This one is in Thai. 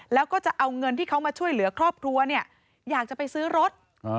แล้วก็จะเอาเงินที่เขามาช่วยเหลือครอบครัวเนี่ยอยากจะไปซื้อรถ